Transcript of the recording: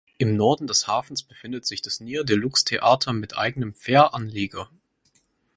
Im Norden des Hafens befindet sich das Nieuwe Luxor Theater mit eigenem Fähranleger.